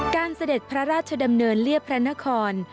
เสด็จพระราชดำเนินเรียบพระนคร